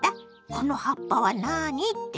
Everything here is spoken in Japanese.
「この葉っぱは何」って？